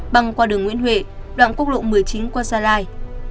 băng qua đường nguyễn huệ đoạn quốc lộ một mươi chín qua gia lai